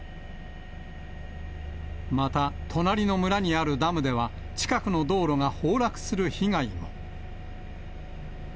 また、隣の村にあるダムでは、近くの道路が崩落する被害も。